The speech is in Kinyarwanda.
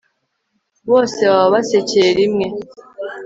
bose baba basekeye rimwe